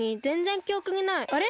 あれ？